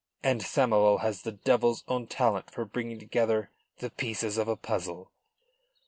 And Samoval has the devil's own talent for bringing together the pieces of a puzzle.